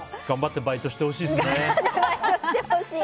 頑張ってバイトしてほしいですね。